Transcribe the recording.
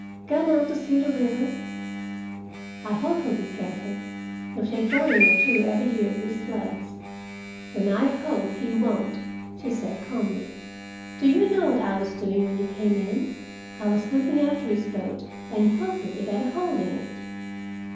"Gone out to see the river." "I hope he'll be careful. There's a drowning or two every year in these floods." "Then I hope he won't," she said calmly. "Do you know what I was doing when you came in? I was looking after his boat, and hoping it had a hole in it."